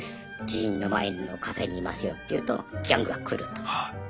寺院の前のカフェにいますよって言うとギャングが来ると。